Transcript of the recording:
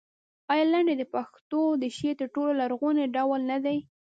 آیا لنډۍ د پښتو د شعر تر ټولو لرغونی ډول نه دی؟